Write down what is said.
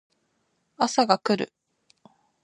朝が来る